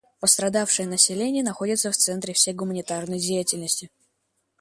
Пострадавшее население находится в центре всей гуманитарной деятельности.